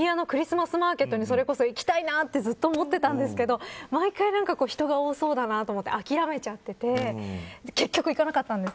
私は日比谷のクリスマスマーケットに行きたいなとずっと思ってたんですけど毎回人が多そうだなと思って諦めちゃってて結局、行かなかったんです。